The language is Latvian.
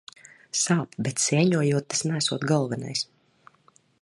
Sāp, bet sēņojot tas neesot galvenais.